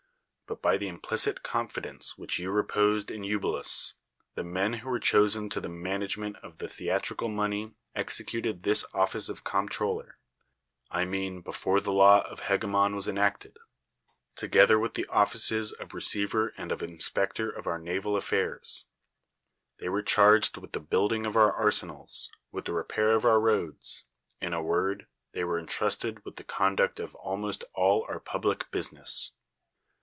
But by the implicit confidence which you reposed in Eubulus, the men who were chosen to the man agement of the theatrical money executed this office of comptroller (I mean before the law of Ilegemon was enacted), together with the offices of receiver and of inspector of our naval affairs ; they were charged with the building of our arsenals, with the repair of our roads ; in a word, they were intrusted with the conduct of almost all our public business.